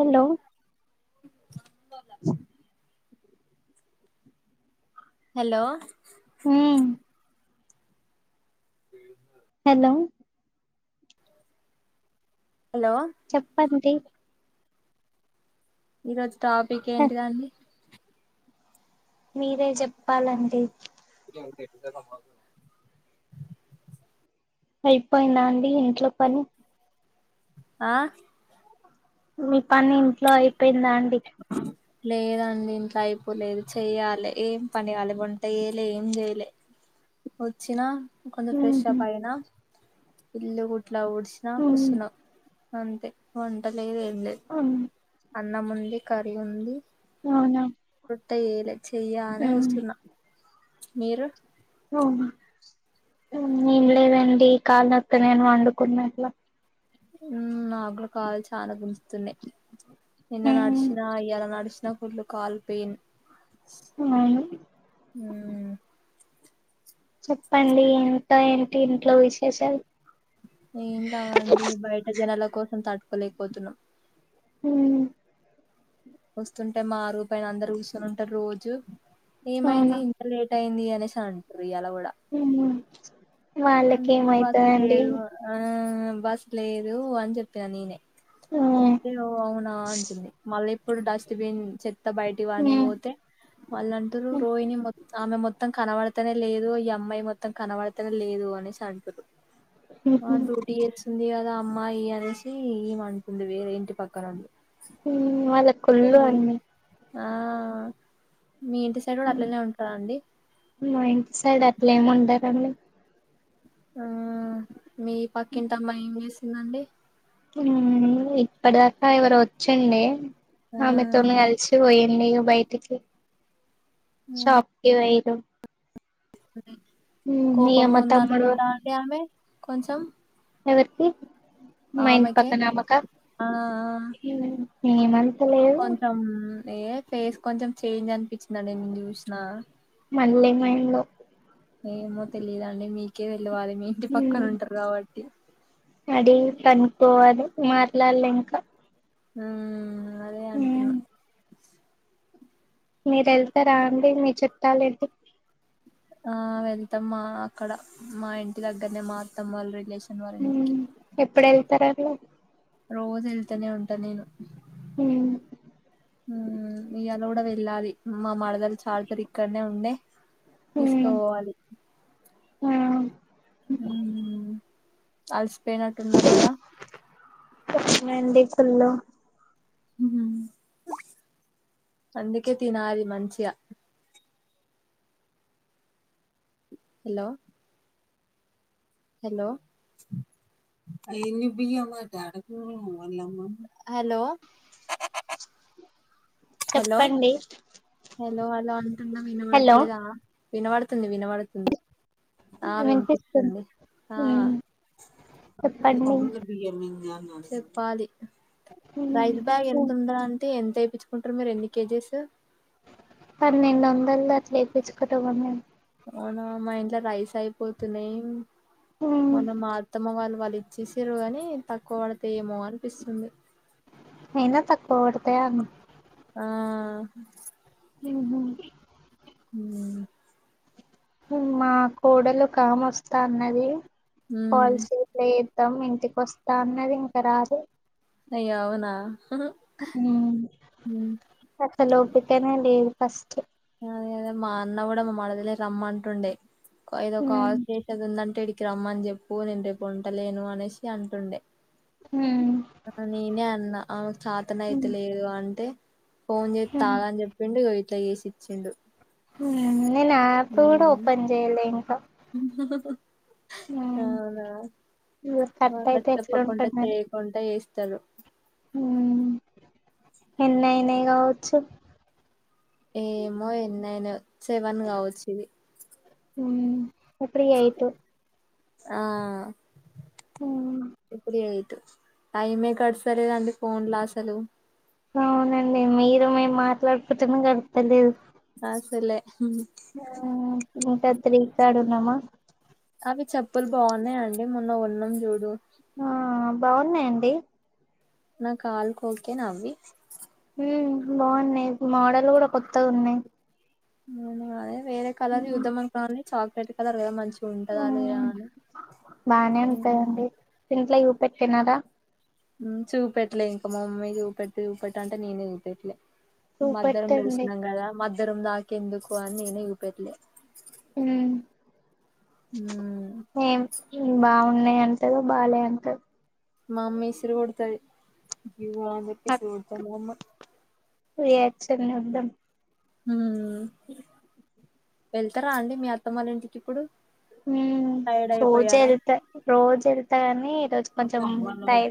Hello hello హ్మ్ hello hello చెప్పండి ఈ రోజు టాపిక్ హ, ఏంటిదండి? మీరే చెప్పాలండి. ఉద మ అయిపోయిందా అండి ఇంట్లో పని? ఆ మీ పని ఇంట్లో అయిపోయిందా అండి? లేదండి ఇంట్ల అయిపోలేదు చెయ్యాలె, ఏం పని కాలె వంట చేయలే ఏం చేయలే. వచ్చిన కొంచం ఫ్రెష్ ఉహు అప్ అయినా, ఇల్లు గుట్ల ఊడ్చిన ఉమ్ కూసున్నా. అంతే వంటలేదు ఏం లేదు ఆ అన్నం ఉంది, కర్రీ ఉంది. అవునా వంట చేయలె, చెయ్య అనే ఉమ్ చూస్తున్న, మీరు? ఓహ్ ఏం లేదండి, కాలు నొత్తాన్నయ్ అని వండుకున్నట్లా ఉమ్ నాకు గుడ కాళ్ళు చాల గుంజుతున్నయ్. నిన్న ఉమ్ నడిశిన ఇయ్యాల నడిశిన, ఫుల్ కాలు పెయిన్ అవును ఉమ్ చెప్పండి ఇంత ఏంటి ఇంట్లో విశేషాలు? నేనా అండి బయట జనాల కోసం తట్టుకోలేకపోతున్నాం ఉమ్ వస్తుంటే మాఅరుగు పైన అందరు కూర్చొని ఉంటరు రోజు ఏమైంది అవునా ఇంతా లేటు లెట్ అయింది అనేసి అంటారు ఇయ్యలా గూడా ఉమ్ వాళ్ళకి ఆంటీ బస్ ఏమైతదండి లేదు బస్ లేదు అని చెప్పిన నేనే ఉమ్ చెప్తే ఓ అవునా అంటుంది మళ్ళీ ఇప్పుడు డస్ట్బిన్ చెత్త బయటిపడనిక ఉమ్ పోతే వాళ్ళ అంటరూ ఉమ్, రోహిని మొత్తం ఆమె మొత్తం కనబడితేనే లేదు ఈ అమ్మాయి మొత్తం కనబడితేనే లేదు అనేసి అంటురు ఆ ఉహు డ్యూటీ ఇస్తుంది గదా అమ్మాయి అనేసిఈమె అంటుంది వేరేంటి పక్కనోళ్ళు మ్ వాళ్ళక్ కుళ్ళు అన్నీ ఆ మీ ఇంటి సైడ్ గూడా అట్లనే ఉంటార అండి మా ఇంటి సైడ్ అట్లా ఏం ఉండదండి ఆ మీ పక్కింటిమ్మాయి ఏం చేసిందండి మ్ ఇప్పటి దాకా ఎవరు వచ్చండె ఆ ఆమెతోన్ని కలిసిపోయి ఇగా బయటికి షాప్కి పోయినరు కోపం మా ఉంద తమ్ముడు అనుకుంటా అండి ఆమె కొంచెం ఎవరికి మా ఇంటి ఆమెకే పక్కనఆమెక ఆ ఆ మ్ ఏమన్త్ కొంచెం ఏ ఫేస్ కొంచెం చేంజ్ అనిపించింది అండి నేను చూసినా మైండ్లో ఏమో తెలిదు అండి మీకే తెలివాలి మీ ఇంటి పక్కన ఉంటరు కాబట్టి అడిగి కనుకోవాలి మాట్లాడలే ఇంకా ఉ ఉమ్ మీరు వెళ్తారా అండి మీ చుట్టాల ఇంటి ఆ వెళ్తాం మా అక్కడ మా ఇంటి దగ్గరనే మాఅత్త వాళ్ళు రిలేషన్ వాళ్ళ ఇంటికి మ్ ఎప్పుడు వెళ్తార్ అండి రోజు వెళ్తనే ఉంటా నేను ఉ ఉమ్ ఇయ్యాలా గూడా వెళ్ళాలి మా మరదల్ చార్జర్ ఇక్కడనే ఉండే తీసకపోవాలి ఉ మ్ అలసిపోయినట్టు ఉన్నారు గదా వచ్చి నండి ఇంతల్లో అందుకే తినాలి మంచిగా హలో హలో హలో [inaudible] హలో చెప్పండి హలో హలో అంటున వినబడత హలో లేదా వినబడుతుంది వినబడుతుంది ఆ వినిపిస్తుంది వినిపింస్తుంది ఆ ఉమ్ చెప్పండి ఉమ్ చెప్పాలి రైస్ బ్యాగ్ ఎంత ఉందరా అం అయితే ఎంత ఎ పించుకుంటారు మీరు ఎన్ని కేజీస్ పన్నెండు వందలు అట్ ఎ పించుకుట మేము అవునా మా ఇంట్లో రైస్ అయిపోతున్నాయి ఉమ్ మొన్న మా అత్తమ్మ వాళ్ళ వల్ల తేచ్చిసరు గాని తక్కువ పడితే ఏమో అనిపిస్తుంది ఎనా తక్కువ పడతా అండి ఆ ఉహు ఉ మా కోడలు ఒక ఆమె వస్తాన్నది ఉమ్, పాలసీ లే వత్తం ఇంటికి వస్తా అన్నది ఇంక రాలే అయ్యో అవునా ఉమ్ ఉమ్ అసలు ఓపికనే లేదు ఫస్ట్ అదే కదా మా అన్న కూడా మా మాడదిల్ రమ్మంటుండే ఏదో కాల్ ఉమ్ చేసేది ఉందంటే ఈడికి రమ్ మ్మని చెప్పు నేను రేపు ఉంటలేను అనేసి అంటుండే ఉమ్ ఆ నేనే అన్నా ఆమెకు చాతన అయిత ఉమ్ లేదు అంటే ఫోన్ చేత్త ఆగు అని చెప్పిండు ఇగ ఇట్ల చేసి ఇచ్చిండు ఉమ్ నేను యాప్ కూడా ఓపెన్ చేయలే ఇంకా ఉహుహుహు ఉమ్ అవునా ఇగ మాకు కట్ అట్లా అయితే చెప్పకుండా ఎట్లుంటది చేయకుండా చేస్తారు ఉమ్ ఎన్నయినాయి కావచ్చు ఏమో ఎన్నయినాయో సెవెన్ కావచ్చు ఇది ఉమ్ ఇప్పుడు ఎయిటు ఆ మ్మ్ ఇప్పుడు ఎయిట్ టైమే గడుస్తలేదండి ఫోన్ లో అసలు అవునండి మీరు మేము మాట్లాడుకుంటే నే గడుస్తలేదు అస్సలు లే ఉమ్ ఇంకా త్రీ కాడ ఉన్నామా అవి చెప్పులు బాగున్నాయండి మొన్న కొన్నాం చూడు ఆ బాగున్నాయండి నా కాల్కి ఓకే నా అవ్వి ఉమ్ బాగున్నాయి మాడలు కూడా కొత్తగా ఉన్నాయి ఉమ్ అదే వేరే కలర్ మ్మ్ చూద్దం అనుకున్న కానీ చాక్లెట్ కలర్ కదా మంచి గ ఉంటదా లేదా మ్మ్ అని ఉమ్ పెట్టినారా ఉమ్ చూపెట్లే ఇంకా మా అమ్మీ చూపెట్టి చూపెట్ అంటే నేనే చూపెట్లే మద్దరం చూపెట్టండి వస్తున్నాం కదా మద్దరం దాక ఎందుకు అని నేనే చూపెట్లే మ్మ్ ఉమ్ ఏం బాగున్నాయి అంటదో బాలే అంట మా అమ్మ ఇసురు కొడతాది జీవ అదక ఇసురు కొడతాది మా అమ్మ పోయాచ్చు ఉంది అడ్డం ఉమ్ వెళ్తారా అండి మీ అత్తమ్మోళ్ల ఇంటికి ఇప్పుడు ఉమ్ టైర్డ్ రోజు అయిపోయారా వెళ్తా రోజు వెళ్తా అని ఈ రోజు [unintelligible]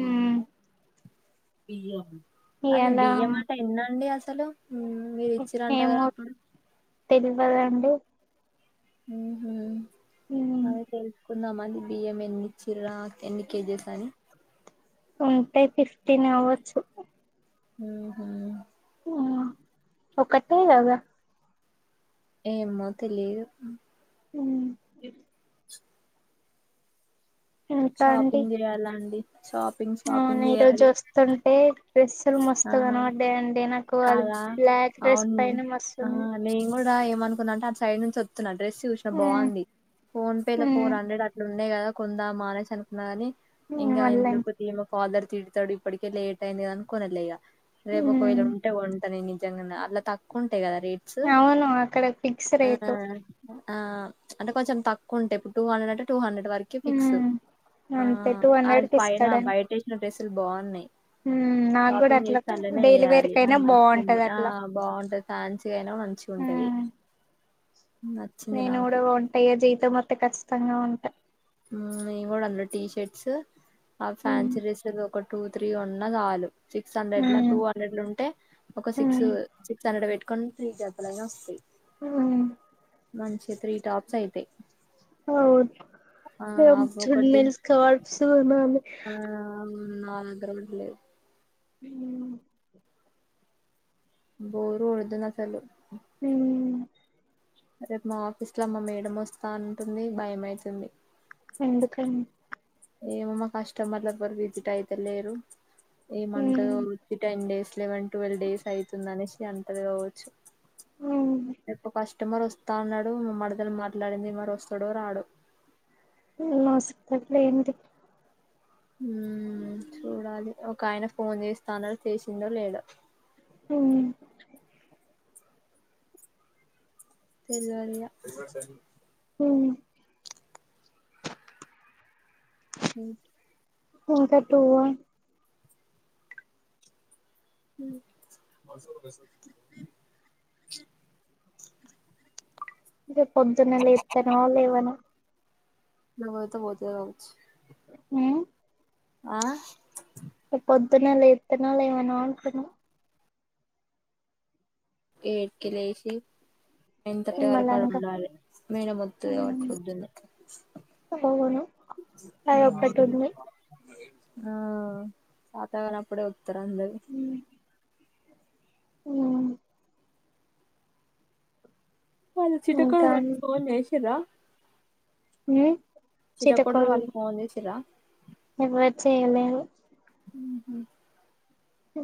ఉమ్ బియ్యం అది ఇయాల బియ్యమాట ఎన్నండి అసలు ఉమ్ మీరు ఇచ్చిర్రు అంట కదా అప్పుడు తెలువదండి ఉహుమ్ ఉమ్ అదే తెల్సుకుందామ్ అని అది బియ్యం ఎన్ని ఇచ్చిర్రా ఎన్ని కేజెస్ అని టే ఫిఫ్టీన్ అవ్వొచ్చు ఉహుమ్ ఉమ్ ఒకటే కదా ఏమో తెలిదు ఉమ్ ఇంకా అండి షాపింగ్ చేయాలా అండి అవును ఈ రోజోస్తుంటే డ్రెస్లు ఆ మస్తు కనవడ్డయ్ అండి నాకు అది కాదా బ్లాక్ డ్రెస్ అవును పైన ఆ మస్తుంది నేను కూడా ఏమనుకున్నాంటే అ సైడ్ నుంచి వొత్తున డ్రెస్ జూస్నా ఉమ్ బావుంది ఫోన్పేలో ఉమ్ ఫోర్ హండ్రెడ్ అట్లా ఉన్ న్నయి గదా కొందామా అనేసి అనుకున్నా గాని ఇంకా మళ్ళ ఎందుకుతీ ఫాదర్ తిడ్తాడు ఇప్పటికే లేట్ అయిన్ది అనుకోనలేక రేపు ఉమ్ ఒకవేళ ఉంటే గోంటా నేన్ అట్లా తక్కువ ఉంటాయి కదా రేట్స్ అవును అక్కడ ఫిక్స్ ఆ రేటు ఆ అంటే కొంచెం తక్కువ్ ఉంటే ఇప్పుడు టూ హండ్రె అే టూ హండ్రెడ్ వరకి ఫిక్స్ హ్మ్ ఆ అంతే టూ అ హండ్రెడ్ పైన బయటేసిన డ్రెస్సులు బాగున్నాయ్ ఉమ్ షాపింగ్ జేస్తే అన్లోనే జేయాలి కైనా నాకు నచ్చింది బాగుంటది ఆ అట్లా బావుంటది ఫాన్సీ అయినా మంచిగుంట్ టది హ్మ్ నేను గూడా గొంటాఇగ జీతమోతే కచ్చితంగా గొంటా ఉమ్ నే గూడా అందులో టీ షర్ట్స్ ఆ హ్మ్ ఫ్యాన్సీ డ్రెస్లలో ఒకట్ టూ త్రీ ఉన్న కావాలి సిక్స్ హండ్రెడ్లా హ్మ్ టూ హండ్రెడ్లుంటే ఒక సిక్స్ హ్మ్ సిక్స్ హండ్రెడ్ పెట్కొని త్రి జాతలైన వొస్తయ్ హ్మ్ మంచిగా త్రీ టాప్స్ అయితయ్ అవున్ మేమ్ చున్నిల్ ఒకటి ఏసుకోవచ్చు ఉమ్ అందరూ లేవు ఉమ్ బోర్ గోడుతుది అసలు ఉమ్ రేప్ మా ఆఫీస్లా మా మేడమోస్తా అంటుంది భయమైతుంది ఎందుకని ఏమో మా కస్టమర్లెవరు విజిట్ అయితాలేరు ఏమంటదో హ్మ్ టెన్డేస్ లెవెన్ ట్వెల్వ్ డేస్ అవుతుంది అనేసి అంటది గావచ్చు హ్మ్ రేపు కస్టమర్ వస్తా అన్నాడు మా మర్దల్ మాట్లాడింది మరి వస్తాడో రాడో నాసిక్ ఇంకేంటి హుమ్ చూడాలి ఒకయన ఫోన్ జేస్తా అన్నడు జేసిండో లేడో ఉమ్ తెల్వదిగా హుమ్ ఇన్ ఇంకా టూ ఆ ఉమ్ రేప్పొద్దున్న లేతనో లేవనో నావిత బోతాది గావొచ్చు హ రేపొద్దున లేతనో లేవనో అంటున్న ఎయిట్ కీ లేసి నైన్ తట్టే వరకు అడ నిమ్మలంగా ఉండాలి మాడెం ఓట్టడి కాబట్టి పొద్దుంది వును అ ఒక్కటి ఉంది ఆ సాతాగారం అప్పుడే ఉత్తరంద్దరు అ అ ఇంకా చిటకకులోళ్ళకి ఫోన్ చేసిండ్రా ఎ చితకుడి వాళ్ళ ఫోన్ చేసిండ్రా నాకి వె చేయలేదు హ్మ్ హు అ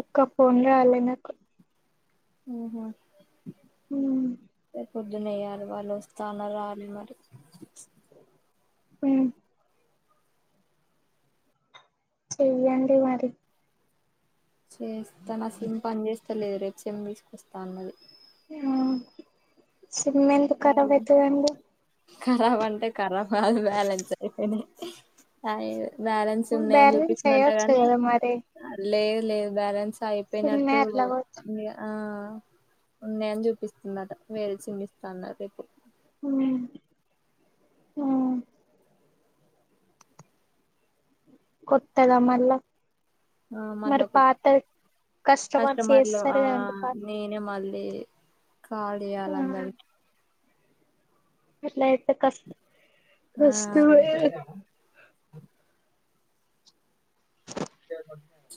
ఒక్క ఫోన్ రవాలి నాకు హ్మ్ హు హ్మ్ పొద్దున వేయ్యాలి వాళ్ళు వస్తాన రావాలి మరి అ చే్యంట మరి చేస్తాను సిమ్ పని చేస్తా లేదు రేపు చెమ్ తీసుకొస్తా అన్నది ఆ సిమ్మె ఎందు కఖరాబ్ అవుతుందిందు కరబ్ అంటే కరాబ్ అ బ్యాలెన్స్ అయిపోయినా అ బ్యాలెన్స్ ఉన్నాయని బ్యాలెన్స్ చూపిస్తున్నాంట ఎయ్యొచ్చు గానీ కదా మరి అ లేదు లేదు బ్యాలెన్స్ సిమ్మే అయిపోయినట్టు అట్లా పోవచ్చు ఆ ఉంది అని చూపిస్తున్నట వేరే చినిపిస్తాన్నారు రేపు ఉ ఆ కొత్తగా మల్ళ ఆ మళ్ళా కొద్ కష్ట కస్టమర్స్ మర్లు ఆ చేస్తారు కదండి పాత నేనే మళ్ అే కాళ అాలండ అలాయితే కష్ట ఆ కష్ట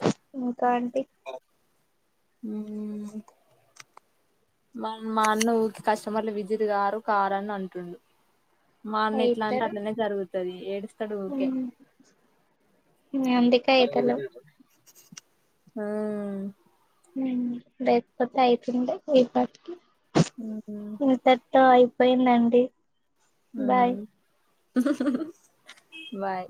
ఇంకా అంటంటి అ మ మాన్న కస్టమర్లు విజిత్ గారు కారని అంటుండు మార్న్న ఎట్లా అంటే అయితారు అలానే జరుగుతుది ఏడుస్తాడు ఊరికే ఎంతకాయదల హ ేపోతే అయితుడి ఈ పటికి ఉ ఇంతతోయి పోయిందండి బాయ్